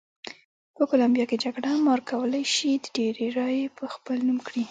په کولمبیا کې جګړه مار کولای شي ډېرې رایې په خپل نوم کړي.